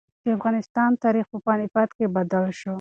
د افغانستان تاریخ په پاني پت کې بدل شو.